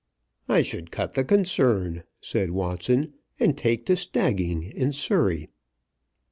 "I should cut the concern," said Watson, "and take to stagging in Surrey."